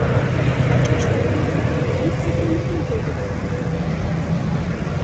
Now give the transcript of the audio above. Ачашт айдеме гын, молан айдеме иге огытыл?